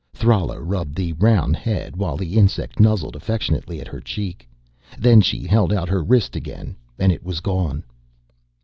Thrala rubbed the round head while the insect nuzzled affectionately at her cheek. Then she held out her wrist again and it was gone.